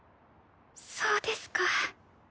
そうですか。